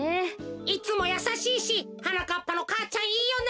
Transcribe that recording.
いつもやさしいしはなかっぱの母ちゃんいいよな。